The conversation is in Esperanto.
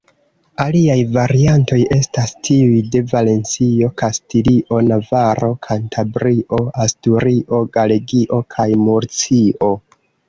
Aliaj variantoj estas tiuj de Valencio, Kastilio, Navaro, Kantabrio, Asturio, Galegio kaj Murcio.